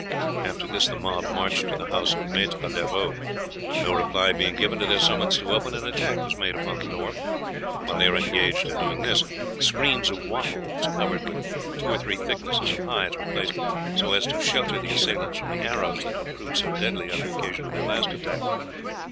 After this the mob marched to the house of Maître Leroux. No reply being given to their summons to open, an attack was made upon the door. While they were engaged in doing this, screens of wattles covered with two or three thicknesses of hides were placed so as to shelter the assailants from the arrows that had proved so deadly on the occasion of their last attack.